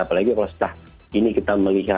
apalagi kalau setelah ini kita melihat